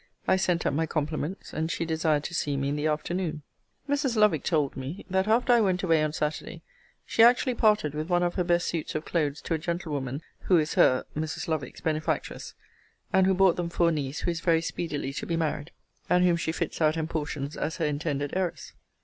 I sent up my compliments; and she desired to see me in the afternoon. Mrs. Lovick told me, that after I went away on Saturday, she actually parted with one of her best suits of clothes to a gentlewoman who is her [Mrs. Lovick's] benefactress, and who bought them for a niece who is very speedily to be married, and whom she fits out and portions as her intended heiress.